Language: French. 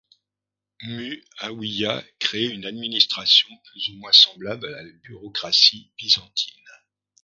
Muʿāwiya crée une administration plus ou moins semblable à la bureaucratie byzantine.